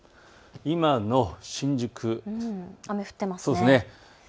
今の新宿、雨が降っています。